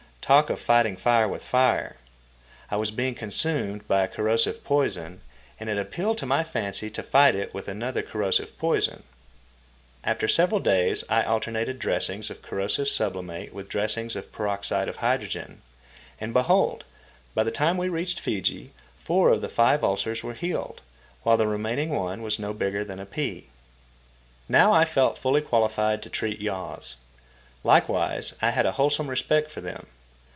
Talk of fighting fire with fire! I was being consumed by a corrosive poison, and it appealed to my fancy to fight it with another corrosive poison. After several days I alternated dressings of corrosive sublimate with dressings of peroxide of hydrogen. And behold, by the time we reached Fiji four of the five ulcers were healed, while the remaining one was no bigger than a pea. I now felt fully qualified to treat yaws. Likewise I had a wholesome respect for them.